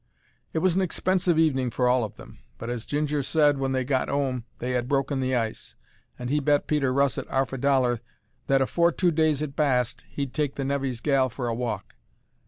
It was an expensive evening for all of them, but as Ginger said when they got 'ome they 'ad broken the ice, and he bet Peter Russet 'arf a dollar that afore two days 'ad passed he'd take the nevy's gal for a walk.